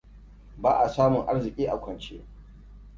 Ba a samun arziƙi a kwance.